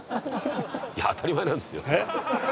「いや当たり前なんですよ」